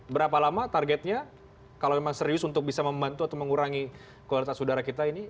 berapa lama targetnya kalau memang serius untuk bisa membantu atau mengurangi kualitas udara kita ini